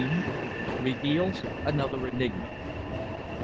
REVEALS ANOTHER ENIGMA.